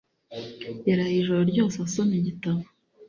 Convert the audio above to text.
Yaraye ijoro ryose asoma igitabo.